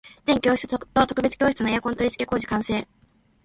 全教室と特別教室へのエアコン取り付け工事完成